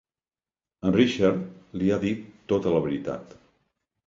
El Richard li ha dit tota la veritat.